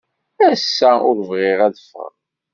Ass-a ur bɣiɣ ad ffɣeɣ.